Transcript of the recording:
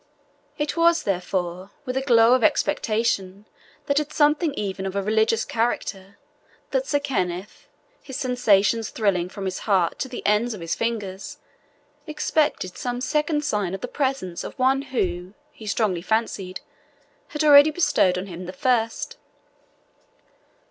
It was, therefore, with a glow of expectation that had something even of a religious character that Sir Kenneth, his sensations thrilling from his heart to the ends of his fingers, expected some second sign of the presence of one who, he strongly fancied, had already bestowed on him the first.